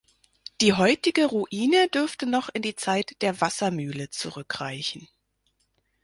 Die heutige Ruine dürfte noch in die Zeit der Wassermühle zurück reichen.